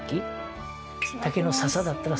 竹のささだったらささ。